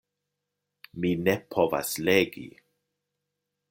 Mi ne povas legi.